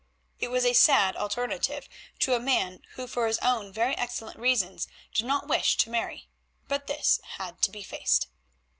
It was a sad alternative to a man who for his own very excellent reasons did not wish to marry, but this had to be faced.